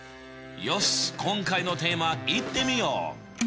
よし今回のテーマいってみよう！